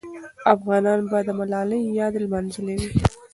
افغانان به د ملالۍ یاد لمانځلې وي.